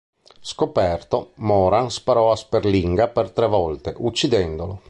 Scoperto, Moran sparò a Sperlinga per tre volte, uccidendolo.